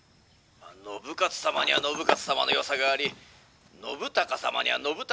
「信雄様には信雄様のよさがあり信孝様には信孝様のよさがあるかと」。